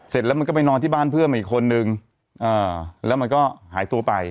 เสร็จแล้วมันก็ไปนอนที่บ้านเพื่อนอีกคนนึงแล้วมันก็หายตัวไป